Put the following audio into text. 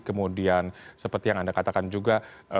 kemudian seperti yang anda katakan juga